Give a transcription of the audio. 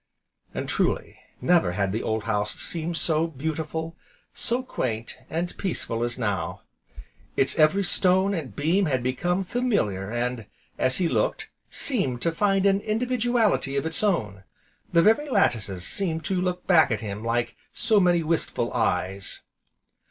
And truly never had the old house seemed so beautiful, so quaint, and peaceful as now. It's every stone and beam had become familiar and, as he looked, seemed to find an individuality of its own, the very lattices seemed to look back at him, like so many wistful eyes.